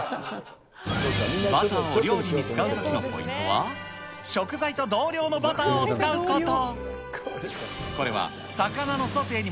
バターを料理に使うときのポイントは、食材と同量のバターを使うこと。